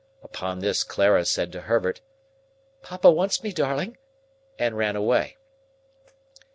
Upon this Clara said to Herbert, "Papa wants me, darling!" and ran away.